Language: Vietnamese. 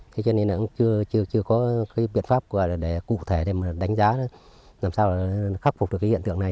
thế cho nên là cũng chưa có biện pháp cụ thể để đánh giá làm sao khắc phục được hiện tượng này